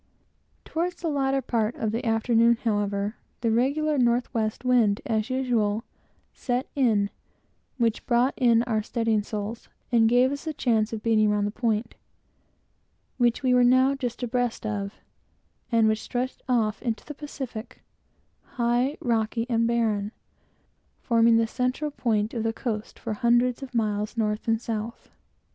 Toward the latter part of the afternoon, however, the regular northwest wind, as usual, set in, which brought in our studding sails, and gave us the chance of beating round the Point, which we were now just abreast of, and which stretched off into the Pacific, high, rocky and barren, forming the central point of the coast for hundreds of miles north and south.